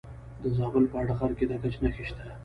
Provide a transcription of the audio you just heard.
د زابل په اتغر کې د ګچ نښې شته.